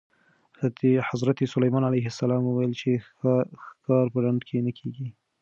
حضرت سلیمان علیه السلام وویل چې ښکار په ډنډ کې نه کېږي.